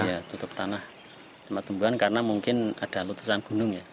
ya tutup tanah sama tumbuhan karena mungkin ada lutusan gunung ya